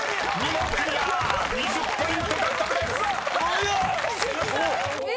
２０ポイント獲得です］え！